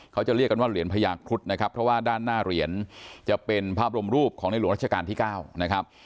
เขาจะเรียกกันว่าเหรียญพญาครุฑนะครับเพราะว่าด้านหน้าเหรียญจะเป็นพระบรมรูปของในหลวงราชการที่๙นะครับ